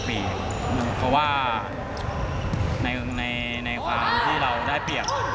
เพราะว่าในความที่เราได้เปรียบ